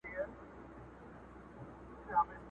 ماشومان يې بلاګاني په خوب ويني!!